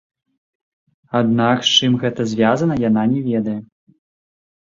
Аднак з чым гэта звязана, яна не ведае.